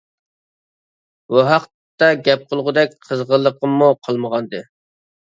بۇ ھەقتە گەپ قىلغۇدەك قىزغىنلىقىممۇ قالمىغانىدى.